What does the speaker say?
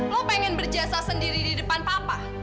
lo pengen berjasa sendiri di depan papa